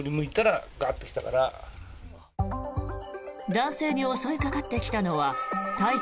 男性に襲いかかってきたのは体長